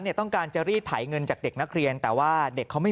ต้องการจะรีดไถเงินจากเด็กนักเรียนแต่ว่าเด็กเขาไม่